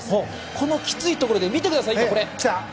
そのきついところで見てください。